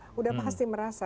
sudah pasti merasa